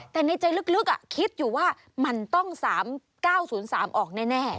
แต่ในใจลึกคิดอยู่ว่ามันต้อง๓๙๐๓ออกแน่